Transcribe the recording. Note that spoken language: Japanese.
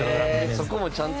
そこもちゃんと。